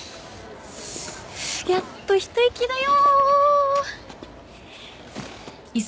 やっと一息だよ。